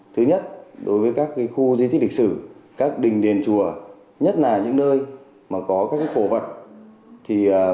thứ nhất đối với các khu di tích lịch sử các đình đền chùa nhất là những nơi có các cổ vật